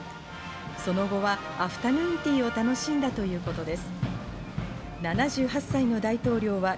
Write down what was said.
その後はアフタヌーンティーを楽しんだということです。